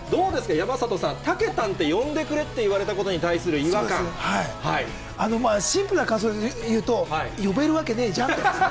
山里さん、たけたんって呼んでくれって言われたことに対するシンプルな感想を言うと、呼べるわけねぇじゃんと。